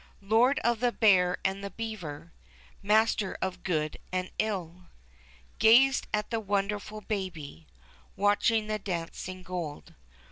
Lord of the hear and the beaver. Master of good and ill. Gazed at the wonderfid Baby Watching the dancing gold.